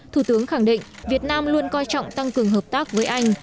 thủ tướng khẳng định việt nam luôn coi trọng tăng cường hợp tác với anh